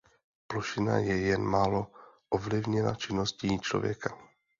Plošina je jen málo ovlivněna činností člověka.